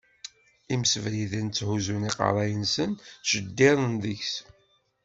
Imsebriden tthuzzun iqerra-nsen, ttjeddiren deg-s.